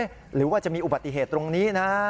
หรือว่าจะมีอุบัติเหตุตรงนี้นะ